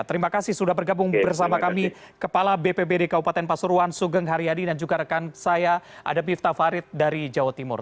terima kasih sudah bergabung bersama kami kepala bppd kabupaten pasuruan sugeng hariadi dan juga rekan saya ademif tafarid dari jawa timur